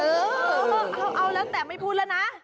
เออเอาแล้วแต่ไม่พูดแล้วนะ